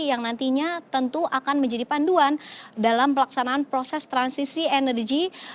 yang nantinya tentu akan menjadi panduan dalam pelaksanaan proses transisi energi